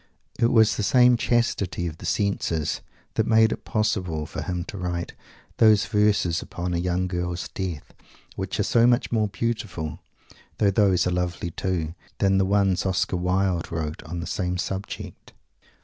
It was the same chastity of the senses that made it possible for him to write those verses upon a young girl's death, which are so much more beautiful though those are lovely too than the ones Oscar Wilde wrote on the same subject.